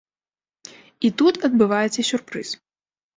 І тут адбываецца сюрпрыз.